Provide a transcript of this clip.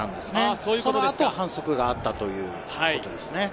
その後、反則があったということですね。